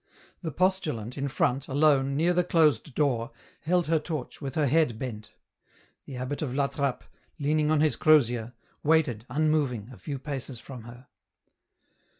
The postulant, in front, alone, near the closed door, held her torch, with her head bent. The abbot of La Trappe, lean ing on his crosier, waited, unmoving, a few paces from her.